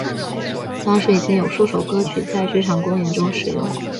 当时已经有数首歌曲在剧场公演中使用。